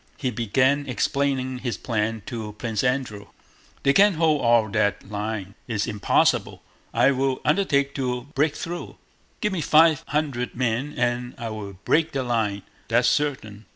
He began explaining his plan to Prince Andrew. "They can't hold all that line. It's impossible. I will undertake to bweak thwough. Give me five hundwed men and I will bweak the line, that's certain!